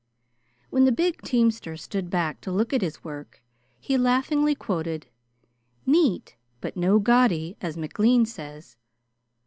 When the big teamster stood back to look at his work he laughingly quoted, "'Neat, but no' gaudy,' as McLean says.